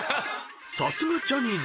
［さすがジャニーズ］